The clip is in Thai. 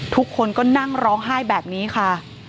ทุกคนก็นั่งร้องไห้แบบนี้ค่ะ